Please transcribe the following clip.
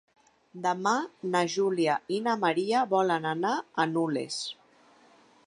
Demà na Júlia i na Maria volen anar a Nules.